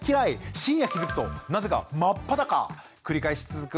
深夜気付くとなぜか真っ裸⁉繰り返し続く